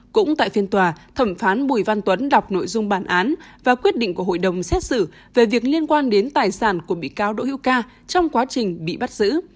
cũng tại phiên tòa thẩm phán bùi văn tuấn đọc nội dung bản án và quyết định của hội đồng xét xử về việc liên quan đến tài sản của bị cáo đỗ hữu ca trong quá trình bị bắt giữ